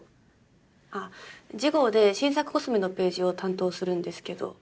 あっ次号で新作コスメのページを担当するんですけど。